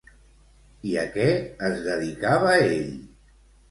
I a què es dedicava ell?